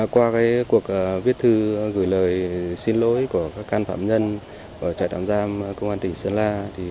qua cuộc viết thư gửi lời xin lỗi của các can phạm nhân ở trại tạm giam công an tỉnh sơn la